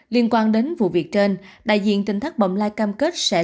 liên quan đến vụ việc trên đại diện tỉnh thác bộng lai cam kết sẽ